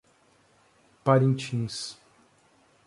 Parintins